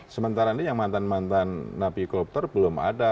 sementara ini yang mantan mantan napi koruptor belum ada